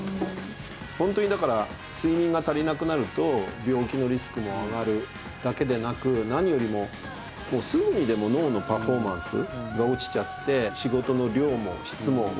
ホントにだから睡眠が足りなくなると病気のリスクも上がるだけでなく何よりももうすぐにでも脳のパフォーマンスが落ちちゃって仕事の量も質も悪くなる。